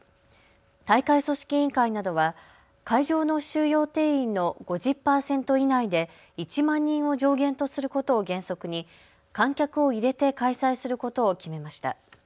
大会組織委員会などは会場の収容定員の５０％以内で１万人を上限とすることを原則に観客を入れて開催することを決めました。